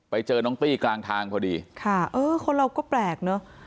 ไปเจอน้องตี้กลางทางพอดีค่ะเออคนเราก็แปลกเนอะ